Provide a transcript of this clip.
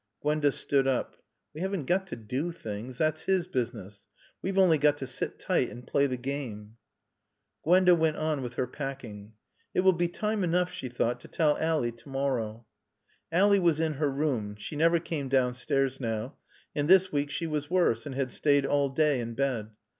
Gwenda stood up. "We haven't got to do things. That's his business. We've only got to sit tight and play the game." Gwenda went on with her packing. "It will be time enough," she thought, "to tell Ally tomorrow." Ally was in her room. She never came downstairs now; and this week she was worse and had stayed all day in bed.